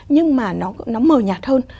nhưng mà nó mờ nhạt hơn